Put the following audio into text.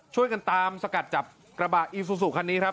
ช่วยกันตามสกัดจับกระบะอีซูซูคันนี้ครับ